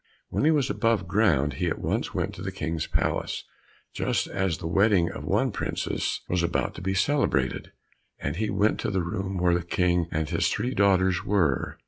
When he was above ground, he at once went to the King's palace, just as the wedding of one princess was about to be celebrated, and he went to the room where the King and his three daughters were.